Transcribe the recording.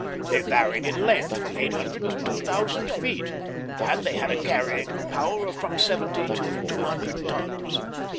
They varied in length from eight hundred to two thousand feet, and they had a carrying power of from seventy to two hundred tons.